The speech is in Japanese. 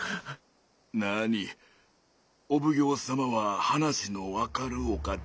・なにお奉行様は話の分かるお方。